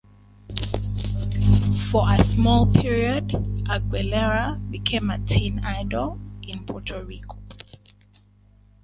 For a small period, Aguilera became a teen idol in Puerto Rico.